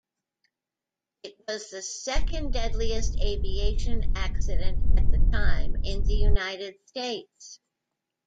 It was the second-deadliest aviation accident at the time in the United States.